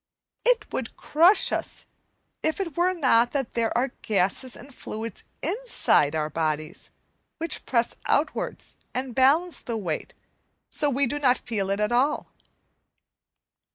It would crush us if it were not that there are gases and fluids inside our bodies which press outwards and balance the weight so that we do not feel it at all.